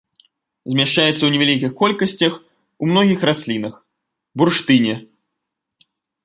Змяшчаецца ў невялікіх колькасцях ў многіх раслінах, бурштыне.